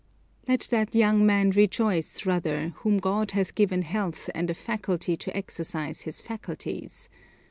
Let that young man rejoice, rather, whom God hath given health and a faculty to exercise his faculties.